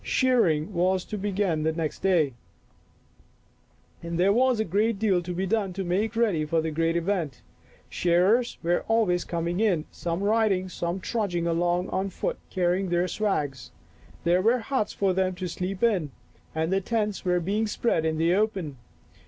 Shearing was to begin the next day 68 Our Little Australian Cousin and there was a great deal to be done to make ready for the great event. Shearers were com ing in, some riding, some trudging along on foot, carrying their swags. There were huts for them to sleep in, and tents were being spread in the open.